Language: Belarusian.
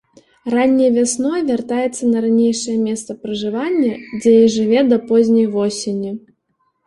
Ранняй вясной вяртаецца на ранейшае месца пражывання, дзе і жыве да позняй восені.